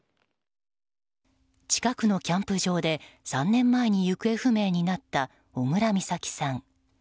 近くのキャンプ場で３年前に行方不明になった小倉美咲さん。